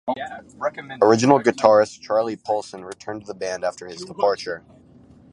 Original guitarist, Charlie Paulson, returned to the band after his departure.